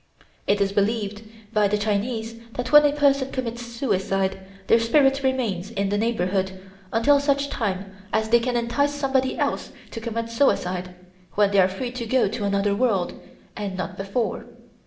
It is believed by the Chinese that when a person commits suicide their spirit remains in the neighborhood until such time as they can entice somebody else to commit suicide, when they are free to go to another world, and not before.